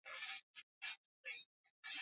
kutunza shamba la viazi lishe kuna toa mavuno bpra